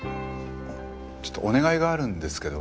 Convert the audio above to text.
ちょっとお願いがあるんですけど。